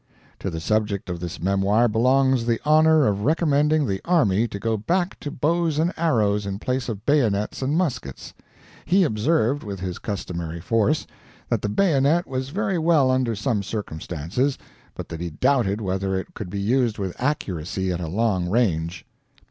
To the subject of this memoir belongs the honor of recommending the army to go back to bows and arrows in place of bayonets and muskets. He observed, with his customary force, that the bayonet was very well under some circumstances, but that he doubted whether it could be used with accuracy at a long range.